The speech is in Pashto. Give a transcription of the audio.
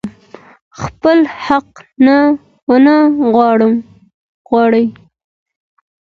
خپل حق ونه غواړي.